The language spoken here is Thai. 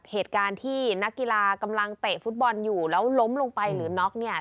เหตุการณ์ที่นักกีฬากำลังเตะฟุตบอลอยู่แล้วล้มลงไปหรือน็อกเนี่ย